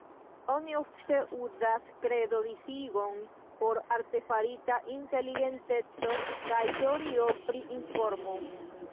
Oni ofte uzas Kredo-disigon por artefarita inteligenteco kaj teorio pri informo.